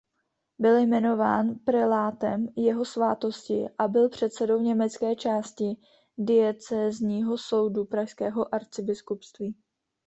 Byl jmenován Prelátem Jeho Svátosti a byl předsedou německé části Diecézního soudu Pražského arcibiskupství.